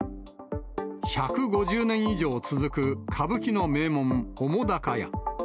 １５０年以上続く歌舞伎の名門、澤瀉屋。